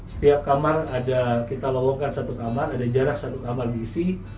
setiap kamar ada kita lowongkan satu kamar ada jarak satu kamar diisi